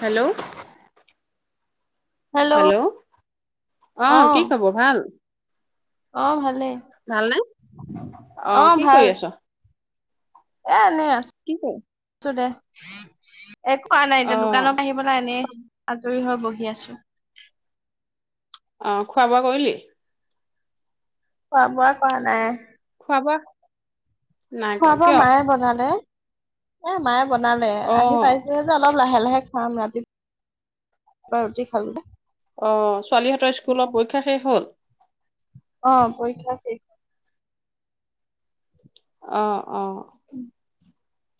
Hello hello অ অ কি খবৰ? ভাল। অ ভালেই। ভালনে, অ কি কৰি আছ? এ এনেই, আ-আছোঁ দে। একোৱা নাই অ এতিয়া দোকানত আহি পেলাই এনেই আজৰি হৈ বহি আছোঁ। অ খোৱা বোৱা কৰিলি? খোৱা বোৱা কোৱা নাই। হব। চাব মায়ে বনালে এ মায়ে বনালে অ আহি পাইছোহে যে অলপ লাহে লাহে খাম ৰাতিপুৱা ৰুটি খালো। অ ছোৱালীহঁতৰ স্কুলৰ পৰীক্ষা শেষ হ'ল। অ পৰীক্ষা শেষ। অ অ। উম।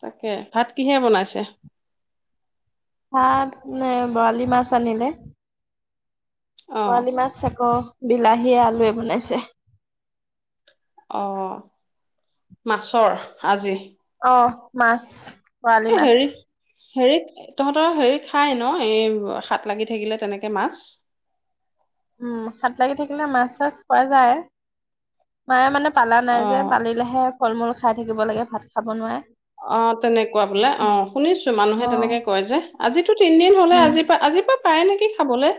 তাকে ভাত কিহে বনাইছে? ভাত বৰালি মাছ আনিলে। অ বৰালি মাছ আকৌ বিলাহীয়ে আলুৱে বনাইছে। আহ মাছৰ আজি। অ মাছ এ বৰালি মাছ। হেৰি হেৰি তহঁতৰ হেৰি খাই ন এই হাত লাগি থাকিলে তেনেকে মাছ। হয়। উম হাত লাগি থাকিলে মাছ চাছ হয় যায় মায়ে মানে পালা নাই অ যে পালিলেহে ফল মূল খাই থাকিব লাগে ভাত খাব নোৱাৰে। অ তেনেকুৱা বোলে অ শুনিছো অ মানুহে তেনেকে কয় যে আজি টো তিনদিন হলে উম আজি পৰা আজি পৰা পায় নেকি খাবলে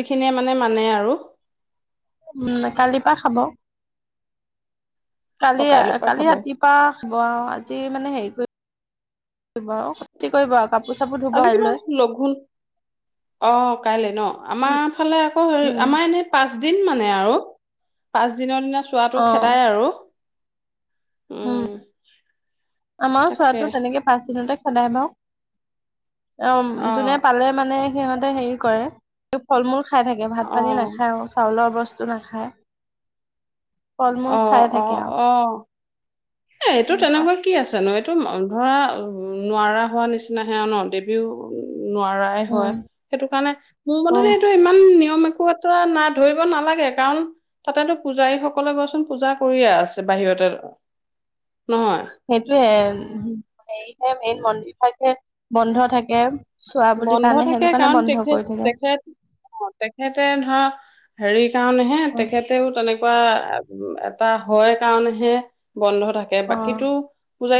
যিখিনিয়ে মানে মানে আৰু। উম কালিৰ পা খাব। অ কালি কাইলৈৰ পৰা কালি খাব ৰাতিপা খব আৰু আজি মানে হেৰি কৰি বৰ স কৰিব। কাপোৰ চাপোৰ ধুব আজি কিবা কাইলৈ লঘুণ অ কাইলে ন উম আমাৰ ফালে আকৌ হেৰি উম আমাৰ এনেই পাচ পাঁচ দিন মানে আৰু পাচদিনৰ দিনা অ চোৱাটো খেদাই আৰু। উম আমাৰো তাকে চোৱাটো তেনেকে পাচ দিনতে সদায় বাৰ অ যোনে পালে মানে সিহঁতে হেৰি কৰে ফল মূল খাই থাকে ভাত অ পানী নাখায়ও চাউলৰ অৱস্থা নাখায় ফল অ মূল খাই অ থাকে আৰু। অ এ এইটো এনেকুৱা তেনেকুৱা কি আছে নো। এইটো অনধৰা নোৱাৰা হোৱা নিচিনা হে ন দেৱীও নোৱাৰাই উম হয়, সেইটো কাৰণে মোৰ অ মতেতো এইটো ইমান নিয়ম এক বাতৰা নাই ধৰিব নালাগে কাৰণ তাতেতো পূজাৰী সকলে গৈচোন পূজা কৰিয়ে আছে বাহিৰত। তেল সেইটোয়ে, হেৰিহে মেইন মন্দিৰভাগে বন্ধ থাকে। চোৱা বুলি বন্ধ কাৰণে থাকে সেইটো কাৰণে কাৰণ বন্ধ কৰি তেখেত থাকে তেখেত অ' তেখেতে ধৰা হেৰি সেই কাৰণেহে উম, তেখেতেও তেনেকুৱা এটা হয় কাৰণেহে। বন্ধ থাকে অ বাকীটো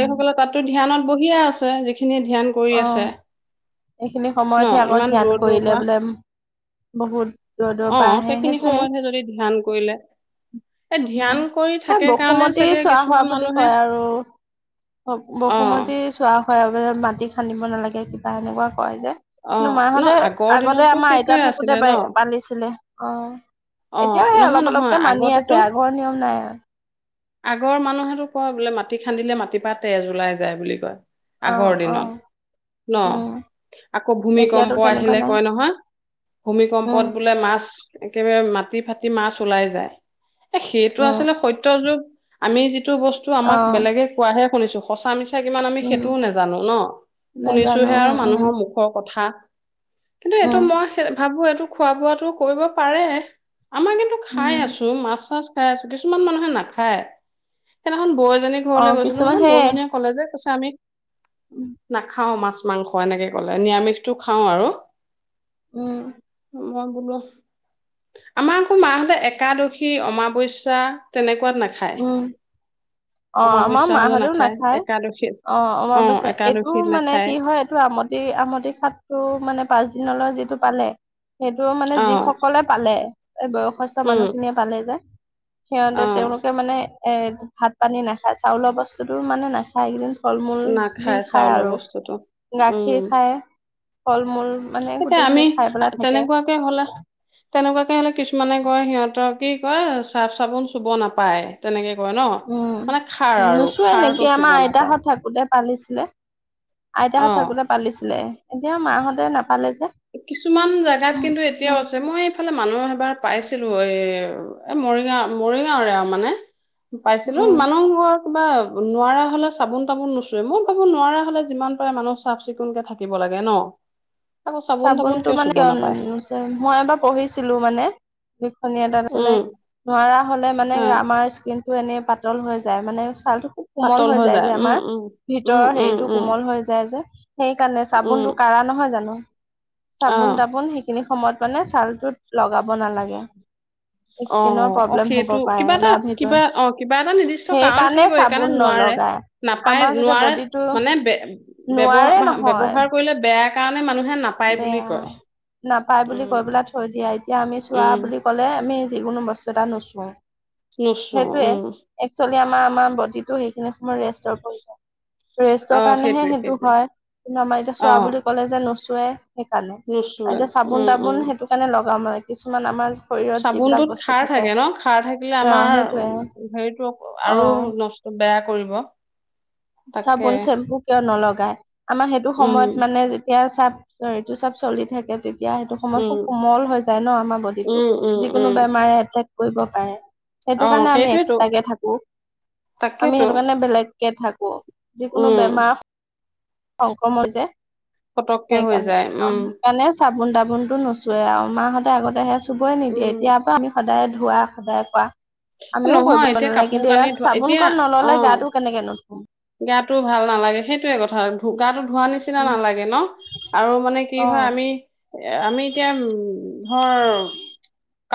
উম, তাতো ধ্যানত বহিয়ে আছে, যিখিন নিয়ে ধ্যান কৰি অ আছে। এইখিনি ন সময়তহে আকৌ ইমান ধ্যান দূৰৰ দূৰৰ কৰিলে পৰা বোলে। বহুত দূৰ অ দূৰ পৰা আহে সেইখিনি হেইটোৱে। সময়তহে যদি ধ্যান কৰিলে এই ধ্যান কৰি অ' থাকে কাৰণে বসুমতী চাগে ছোৱা হোৱা কিছুমান বুলি মানুহে কয় আৰু। অ বসুমতী ছোৱা হোৱা মাটি খান্দিব নালাগে কিবা এনেকুৱা কয় যে অ কিন্তু, ন মাহঁতে আগৰ আগতে দিনততো আমাৰ আইতা সেইটোয়ে থাকোঁতে আছিলে ন পালিছিলে অ'। অ এতিয়াও, সেই নহয় অলপ নহয় অলপকে মানি আছে আগতেতো আগৰ নিয়ম নাই আৰু। আগৰ মানুহেটো কয় বোলে মাটি খান্দিলে, মাটিৰ পৰা তেজ ওলাই যায় বুলি কয়। আগৰ অ' দিনত অ'। ন উম, আকৌ এতিয়াতো ভূমিকম্প তেনেকুৱা আহিলে নাই। কয় নহয় উম, ভূমিকম্পত বোলে মাছ একেবাৰে মাটি ফাটি মাছ ওলাই যায়। সেইটো উম, আছিলে সত্য যুগ আমি যি টো বস্তু আমাক অ', বেলেগে কোৱাহে শুনিছোঁ, সঁচা-মিছা কিমান আমি উম, সেইটোও নাজানো ন। নাজানো শুনিছোঁহে উম, আৰু উম, মানুহৰ মুখৰ কথা। কিন্তু এইটো উম, মই ভাবো এইটো খোৱা-বোৱাটো কৰিব পাৰে। আমাৰ কিন্তু খায় উম, আছোঁ মাছ-চাছ খায় আছোঁ কিছুমান মানুহে নাখায়। সেইদিনাখন বৌ এ জনি ঘৰলৈ অ', গৈছিলোঁ কিছুমান মানে সেই বৌজনীয়ে ক'লে যে কৈছে আমি উম, নাখাও মাছ মাংস এনেকে ক'লে নিৰামিষটো খাওঁ আৰু। উম। মই বোলো আমাৰ আকৌ মা হ'তে একাদশী অমাৱস্যা তেনেক নাখায়। উম, অ' আমাৰ অমাৱস্যা মা হলে হ'তেও নাখায়। একাদশীত অ' অমাবস্যা এইটো একাদশীত মানে নাখায় কি হয় এইটো আমতি আমতি ষাঠটো মানে পাঁচ দিনলৈ যিটো পালে সেইটো মানে অ যিসকলে পালে এই বয়সস্থ উম মানুহ খিনিয়ে পালে যে সিহঁতে অ তেওঁলোক এ ভাত পানী নাখায় চাউলৰ বস্তুটো মানে নাখায় এইকেইদিন ফল-মূল যি নাখায় খায় চাউলৰ আৰু বস্তুটো উম গাখীৰ খায় ফল-মূল মানে এতিয়া আমি গোটেইখিনি খায় পেলাই থাকে। তেনেকুৱাকে হলে তেনেকুৱাকে হ'লে কিছুমানে কয় সিহঁতৰ কি কয় চাফ চাবোন চুব নাপায় তেনেকে কয় ন মানে খাৰ উম আৰু নোচোৱে খাৰটো নেকি চুব আমাৰ নাপায় আইতাহঁত থাকোতে পালিছিলে। অ আইতাহঁত থাকোঁতে পালিছিলে এতিয়া মাহঁতে নাপালে। যে কিছুমান জেগাত উম কিন্তু এতিয়াও উম আছে মই এইফালে মানুহ এবাৰ পাইছোঁ ছিলো এই এ মৰিগাঁও মৰিগাঁওৰে আৰু মানে পাইছিলোঁ উম মানুহ ঘৰ কিবা নোৱাৰা হ'লে চাবোন-তাবোন নোচোৱে। মই ভাবো নোৱাৰা হ'লে যিমান পাৰে মানুহ চাফ চিকুণকে থাকিব লাগে। লাগে ন। আকৌ চাবোন তাবোন চাবোনটো মানে চুব কিয় নাপায় নোচোৱে মই এবাৰ পঢ়িছিলো মানে লিখনি এটাত আছিলে উম নোৱাৰা হ'লে মানে আহ আমাৰ স্ক্ৰীন টো এনে পাতল হৈ যায় মানে ছালটো খুব কোমল পাতল হৈ যায় যে উম আমাৰ উম উম ভিতৰৰ উম হেৰিটো উম কোমল হৈ যায় যে সেইকাৰণে। উম চাবোনটো কঢ়া নহয় জানো? আহ চাবোন-তাবোন সেইখিনি সময়ত মানে ছালটোত লগাব নালাগে। অ স্কিনৰ অ প্ৰব্লেম হ'ব সেইটো পাৰে কিবা এটা বা ভিতৰি কিবা অ কিবা এটা নিৰ্দিষ্ট সেই কাৰণ কাৰণে থাকিব সেইকাৰণে চাবোন ন নোৱাৰে লগাই। নাপায় আমাৰ যেতিয়া নোৱাৰে বডিটো মানে বে নোৱাৰে ব্যৱহাৰ নহয় ব্যৱহাৰ কৰিলে বেয়া কাৰণে মানুহে নাপায় বুলি বেয়া, কয় নাপাই বুলি কৈ উম পেলাই থৈ দিয়া এতিয়া আমি চোৱা উম বুলি ক'লে আমি যিকোনো বস্তু এটা নুচো। নুচো উম আমাৰ, আমাৰ বডিটো সেইখিনি সময়ত ৰেষ্টৰ প্ৰয়োজন। অ ৰেষ্টৰ কাৰণেহে সেইটোৱে সেইটো সেইটোৱে হয় কিন্তু আমাৰ এতিয়া অ চোৱা বুলি ক'লে যে নোচোবে। সেইকাৰণে আৰু নুচোৱে এতিয়া উম উম চাবোন-তাবোন সেইটো কাৰণে লগাম আৰু কিছুমান আমাৰ শৰীৰত যিবিলাক চাবোনটোত বস্তু খাৰ থাকে ন' খাৰ থাকিলে অ আমাৰ সেইটোয়ে হেৰিতটো আৰু অ নষ্ট বেয়া কৰিব [unintelligible] চাবোন চেম্পু কিয় নলগাই আমাৰ সেইটো উম সময়ত মানে যেতিয়া এতিয়া চাপ, এইটো চাপ চলি থাকে তে এতিয়া সেইটো সময়ত উম খুব কোমল হৈ যায় ন আমাৰ বডিটো, উম উম যিকোনো উম বেমাৰে এটেক কৰিব পাৰে। সেইটো অ কাৰণে আমি সেইটোৱেতো এক্সট্ৰাকে থাকো আমি তাকেতো সেইটো কাৰণে বেলেগকে থাকো। যিকোনো উম বেমাৰ, সংক্ৰমণ যে পতককে হৈ সেইকাৰণে যায়, উম। আৰু সেইকাৰণে চাবোন চাবোন দাবোন টো নোচোৱেই আৰু মাহঁতে আগতে হেয়া চুবই নিদিয়ে উম। এতিয়াৰ পৰা আমি সদায় ধোৱা সদায় কোৱা আমিও নহয় কৰিব এতিয়া নালাগে কাপোৰ কিন্তু কানি এই ধোৱা চাবোন কন নল'লে গাটো কেনেকে ধুম। গাতটো ভাল নালাগে, সেইটোয়ে কথা আৰু গাটো ধোৱা নিচিনা উম নালাগে ন' আৰু মানে কি হয় অ আমি এ আমি এতিয়া উম, ধৰ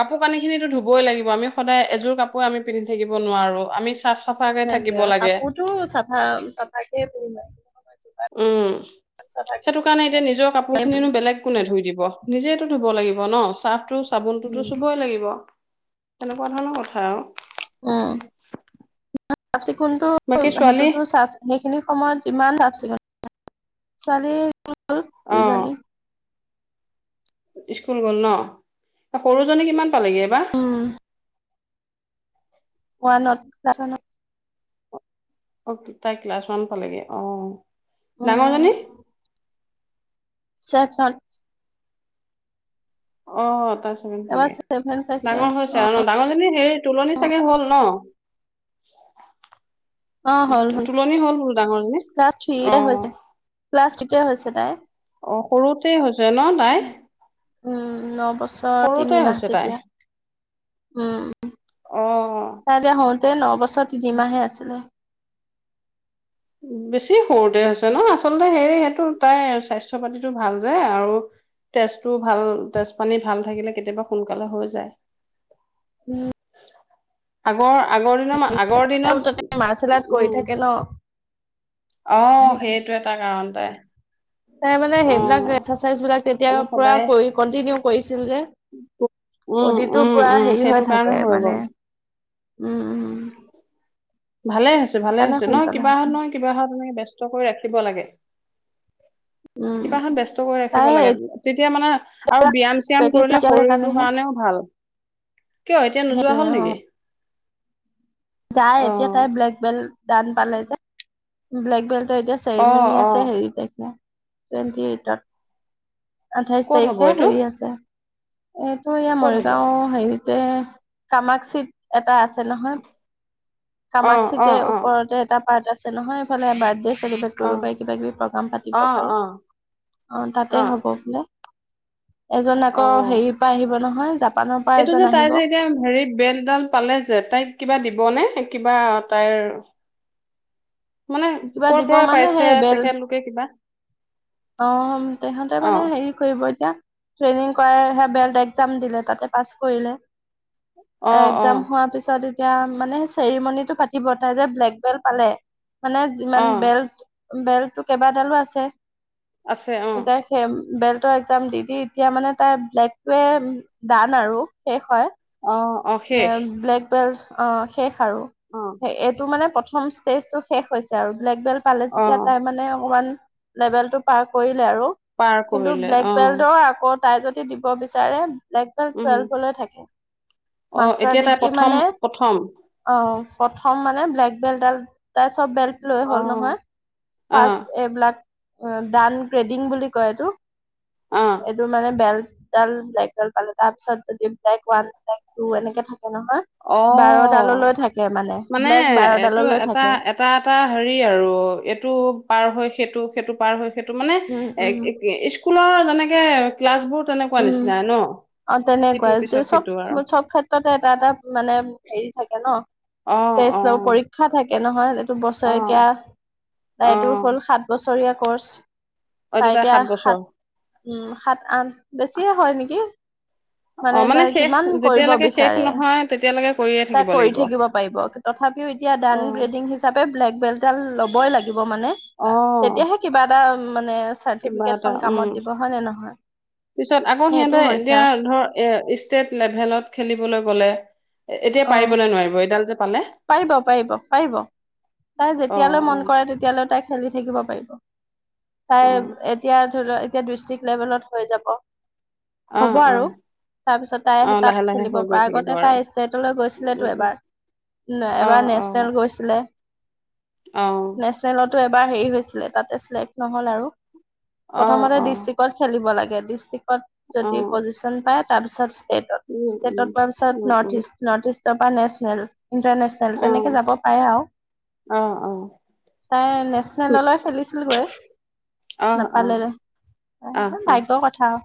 কাপোৰ কানি খিনিতো ধুবই লাগিব। আমি সদায় এযোৰ কাপোৰে আমি পিন্ধি থাকিব নোৱাৰো। আমি চ চাফাকে থাকিব লাগে। হা চাফাকেই ধুই লও। উম, সেইটো কাৰণে এতিয়া নিজৰ কাপোৰ খিনিনো বেলেগ কোণে ধুই দিব। নিজেইটো ধুব লাগিব ন, ছাৰ্ফটোতো, চাবোনটোতো উম চুবই লাগিব। তেনেকুৱা ধৰণৰ কথা আৰু। উম। কোনটো বাকী ছোৱালী সেইটোতো চাফ সেইখিনি সময়ত যিমান চাফ-চিকুণ ছোৱালী। অ' দুইজনী। স্কুল গ'ল ন, সৰু জনী কিমান পালেগে এইবাৰ। উম ওৱান [unintelligible] অহ' তাই ক্লাছ ওৱান পালেগে, অহ' ডাঙৰজনী? ছেকচন। অহ' তাই ছেভেন এবাৰ পালেগে, চেভেন পাইছে ডাঙৰ হৈছে অ আৰু ন ডাঙৰজনী হেৰি তুলনি চাগে হ'ল ন? অ হ'ল [inaudible] তুলনি হ'ল বোলো ডাঙৰ জনী। ক্লাছ থ্ৰীতে হৈছে ক্লাছ থ্ৰীতে হৈছে তাই অ' সৰুতেই হৈছে ন তাই। উম, ন বছৰ সৰুতে তিনিমাহ হৈছে তাই তেতিয়া উম। অ তাই বিয়া হওঁতে ন বছৰ তিনিমাহে আছিলে। বেছি সৰুতে হৈছে ন, আচলতে হেৰি সেইটো তাই স্বাস্থ্য পাতিটো ভাল যে আৰু তেজটো ভাল, তেজ পানী ভাল থাকিলে কেতিয়াবা সোনকালে হৈ যায়। উম। আগৰ আগৰ দিনৰ ম আগৰ আৰু তাতে দিনত মাৰ্চেল আৰ্ট কৰি উম থাকে ন অহ সেইটো এটা কাৰণ তাইৰ। তাই মানে সেইবিলাক এক্সাৰচাইজ বিলাক তেতিয়া সেইবোৰ পৰা সদায় কৰি কন্টিনিউ কৰিছিল যে উম, বডিটো উম, পুৰা উম, হেৰি সেইটো হৈ কাৰণে থাকে মানে গ'ল উম, উম। ভালে হৈছে, ভালে সেইকাৰণে হৈছে ন, সোনকালে কিবাহত হৈছে নহয় কিবাহত এনেই ব্যস্ত কৰি ৰাখিব লাগে। উম কিবা এখন ব্যস্ত কৰি ৰাখিব তাই লাগে, তেতিয়া মানে এতিয়া আৰু ব্যায়াম চিয়াম প্ৰেক্টিচ কৰিলে নাইকিয়া শৰীৰটোৰ কাৰণেহে কাৰণেও ভাল। কিয় এতিয়া নোযোৱা সেইটোয়ে হ'ল অ নেকি? যায় এতিয়া অ', তাই ব্লেক বেল্ট দান পালে যে ব্লেক বেল্ট ত এতিয়া অ', চেৰিমনী অ', আছে হেৰি তাৰিখে টুৱেণ্টি এইটত। আঠাইশ ক'ত হ'ব তাৰিখে এইটো হেৰি আছে। এইটো এয়া ক'ত হ'ব মৰিগাঁও হেৰিতে কামাক্ষি এটাত আছে নহয়। অ', কামাক্ষিতে অ', অ', ওপৰতে এটা পাৰ্ট আছে নহয় এইফালে বাৰ্থডে চেলিব্ৰেড অ', কৰিব পাৰি কিবা কিবি প্ৰ'গ্ৰাম পাতিব পাৰি অ' তাতে অ', হ'ব বোলে। এজন আকৌ অ', হেৰিৰ পৰা আহিব নহয় জাপ এইটো যে তাই যে এতিয়া হেৰি বেলডাল পালে যে তাইক কিবা দিবনে? কিবা তাইৰ মানে কিবা ক'ৰ দিব পৰা মানে পাইছে সেই বেল তেখেত লোকে কিবা অ' তেহঁতে অ মানে হেৰি কৰিব এতিয়া ট্ৰেইনিং কৰাইহে বেল্ট একজাম দিলে তাতে পাছ কৰিলে। অ অ একজাম হোৱাৰ পিছত এতিয়া মানে চেৰিমনটো পাতিব তাই যে ব্লেক বেল্ট পালে মানে অ যিমান বেল্ট বেল্ট কেইবাডালো আছে আছে অ'। এতিয়া সেই বেল্টৰ একজাম দি দি এতিয়া মানে তাই ব্লেক টোৱে টান আৰু শেষ হয়। অ অ ন শেষ ব্লেক বেল্ট অ' শেষ আৰু অ এইটো মানে প্ৰথম ষ্টেজ টো শেষ হৈছে আৰু। ব্লেক বেল্ট পালে অ যেতিয়া তাই মানে অকনমান লেবেল টো পাৰ কৰি লে আৰু পাৰ কিন্তু কৰিলে ব্লেক অ বেল্টৰ আকৌ তাই যদি দিব বিচাৰে ব্লেক বেল্ট উম টুৱেলভ লৈ থাকে অ মাষ্টাৰ এতিয়া তাই ডিগ্ৰী প্ৰথম মানে প্ৰথম অ' প্ৰথম মানে ব্লেক বেল্ট ডাল তাই চব বেল্ট লৈ অ হ'ল নহয় অ ফাৰ্ষ্ট এইবিলাক। দান ক্ৰেডিং বুলি কয় এইটো। অ এইটো মানে বেল্ট দান ব্লেকডাল পালো, তাৰপিছত যদি ব্লেক ওৱান ব্লেক টু এনেকে থাকে। নহয় অ'। বাৰডাললৈ থাকে মানে ব্লেক এইটো বাৰডাললৈ এটা থাকে এটা এটা হেৰি আৰু এইটো পাৰ হৈ সেইটো সেইটো পাৰ হয় সেইটো মানে উম উম এ স্কুলৰ যেনেকে ক্লাছ বোৰ তেনেকুৱা উম নিচিনা ন অ' ইটোৰ তেনেকুৱাই যে পিছত সিটো আৰু চব চব ক্ষেত্ৰতে এটা এটা মানে হেৰি থাকে ন অ অ টেস্ট পৰীক্ষা থাকে নহয়। বছৰেকীয়া অ তাই এইটো অ হ'ল সাত বছৰীয়া কৰ্চ। অ তাই দুটাই এতিয়া সাত বছৰ উম সাত, আঠ বেছিয়ে হয় নেকি? অ মানে তাই শেষ যিমান কৰিব যেতিয়ালৈকে শেষ বিচাৰে নহয় তেতিয়ালৈকে কৰিয়ে তাই থাকিব কৰি লাগিব থাকিব পাৰিব। তথাপিও এতিয়া অ ডান গ্ৰেডিং হিচাপে ব্লেক বেল্ট এইডাল ল'বই লাগিব মানে অ তেতিয়াহে কিবা এটা মানে কিবা এটা চাৰ্টিফিকেটখন কামত উম দিব হয় নে নহয়? পিছত আকৌ সিহঁতে সেইটো হৈছে এতিয়া আৰু ধৰ এ ষ্টেট লেভেলত খেলিবলৈ গ'লে এতিয়া অ পাৰিব নে নোৱাৰিব এইডালটো পাৰিব পাৰিব পাৰিব। তাই অ যেতিয়ালৈ মন কৰে তেতিয়ালৈ তাই খেলি থাকিব অ তাই এতিয়া ধৰি ল এতিয়া ডিষ্ট্ৰিক লেভেলত হৈ যাব। হ'ব অহ' অ' আৰু তাৰপিছত অ তাই তাত লাহে লাহে খেলিব হৈ গৈ পাৰে, থাকিব আগতে আৰু তাই ষ্টেটলৈ গৈছিলেতো উম উম এবাৰ। নে এবাৰ নেছনেল গৈছিলে। আহ নেচনেলতো এবাৰ হেৰি হৈছিলে তাতে চেক্ নহল আৰু অ প্ৰথমতে অ ডিষ্ট্ৰিকত খেলিব লাগে। ডিচতিকট অ যদি পজিচন পায় তাৰ পিছত ষ্টেটত, উম উম ষ্টেটত পোৱাৰ পিছত উম উম নৰ্থ ইষ্ট নৰ্থ ইষ্টৰ পৰা নেচনেল। ইণ্টাৰনেচনেল অ তেনেকে যাব পাৰে আৰু। অ অ তাই নেচনেললৈ খেলিছিল গৈ। আহ আহ আহ আহ ভাগ্যৰ কথা আৰু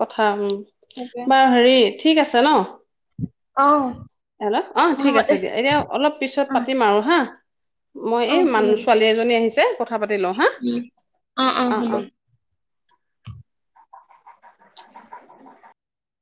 কথা উম, সেইটোৱে বা হেৰিত ঠিক আছে ন অহ' হেল্ল' অ', ঠিক আছে দিয়া এতিয়া অলপ পিছত অ পাতিম আৰু হা মই অ এই হ'ব মানুহ দে ছোৱালী এজনী আহিছে, কথা পাতি লওঁ হা উম অ' অ'